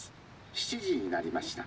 ７時になりました。